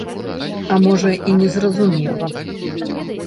А можа, і не зразумела б?